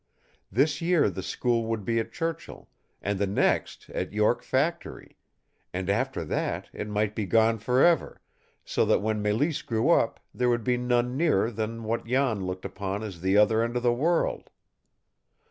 This year the school would be at Churchill, and the next at York Factory, and after that it might be gone for ever, so that when Mélisse grew up there would be none nearer than what Jan looked upon as the other end of the world.